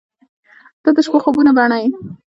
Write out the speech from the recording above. • ته د شپو خوبونو بڼه یې.